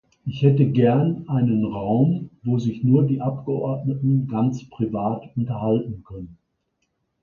Ich hätte gern einen Raum, wo sich nur die Abgeordneten ganz privat unterhalten können.